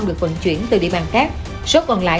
được vận chuyển từ địa bàn khác số còn lại